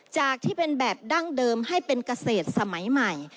จากที่เป็นแบบดั้งเดิมให้เป็นเกษตรสมัยใหม่